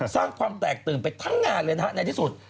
สร้างความแตกตื่นไปทั้งงานเลยนะฮะในที่สุด